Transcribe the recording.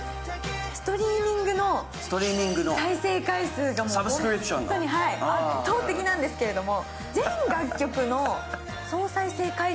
ストリーミングの再生回数がホントに圧倒的なんですけれども。